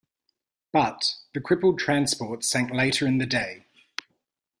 But, the crippled transport sank later in the day.